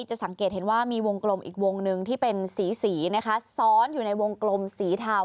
จะสังเกตเห็นว่ามีวงกลมอีกวงหนึ่งที่เป็นสีนะคะซ้อนอยู่ในวงกลมสีเทา